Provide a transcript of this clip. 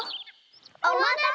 おまたせ！